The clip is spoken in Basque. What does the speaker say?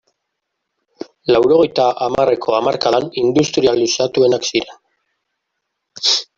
Laurogeita hamarreko hamarkadan industrializatuenak ziren.